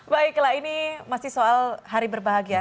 baiklah ini masih soal hari berbahagia